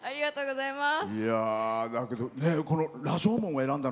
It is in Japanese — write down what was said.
おめでとうございます。